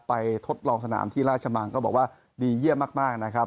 ทดลองสนามที่ราชมังก็บอกว่าดีเยี่ยมมากนะครับ